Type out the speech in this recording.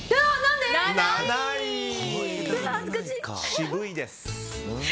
渋いです。